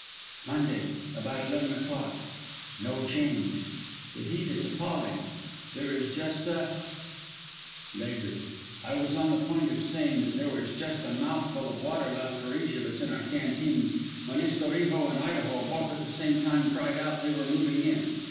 "Monday, about eleven o'clock. No change. The heat is appalling. There is just a "Later. I was on the point of saying that there was just a mouthful of water left for each of us in our canteens when Estorijo and Idaho both at the same time cried out that they were moving in.